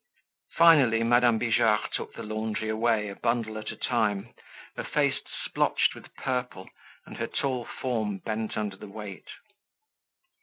Finally Madame Bijard took the laundry away a bundle at a time, her face splotched with purple and her tall form bent under the weight.